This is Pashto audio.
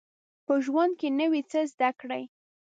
په ژوند کي نوی څه زده کړئ